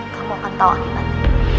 kamu akan tahu akibatnya